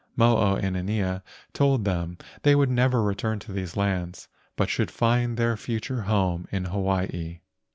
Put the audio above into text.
Mo o inanea told them they would never return to these lands, but should find their future home in Hawaii.